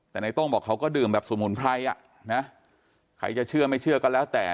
แต่ในโต้งบอกเขาก็ดื่มแบบสมุนไพรอ่ะนะใครจะเชื่อไม่เชื่อก็แล้วแต่